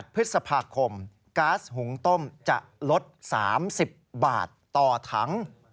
พฤษภาคมก๊าซหุงต้มจะลด๓๐บาทต่อถัง